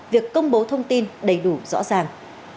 việc công bố thông tin đầy đủ rõ ràng